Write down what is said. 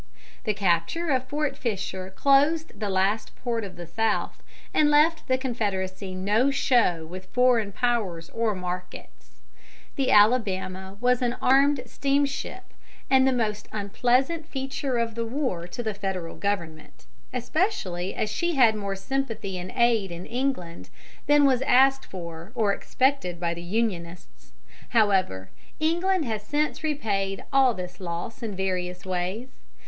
The capture of Fort Fisher closed the last port of the South, and left the Confederacy no show with foreign Powers or markets. The Alabama was an armed steam ship, and the most unpleasant feature of the war to the Federal government, especially as she had more sympathy and aid in England than was asked for or expected by the Unionists. However, England has since repaid all this loss in various ways.